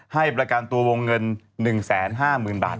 ให้ประกันตัววงเงิน๑๕๐๐๐บาท